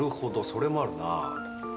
それもあるな。